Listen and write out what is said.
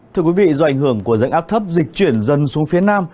thưa quý vị do ảnh hưởng của rãnh áp thấp dịch chuyển dần xuống phía nam